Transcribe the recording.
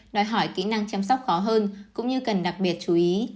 đòi hỏi kỹ năng chăm sóc khó hơn cũng như cần đặc biệt chú ý